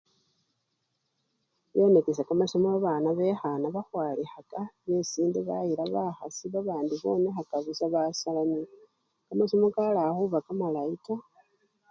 Byonakisya kamasomo kakila babana bekhana bakhwalikhaka, besinde bayila bakhasi babandi bonekha busa basalanila kamasomo kala khuba kamalayi taa.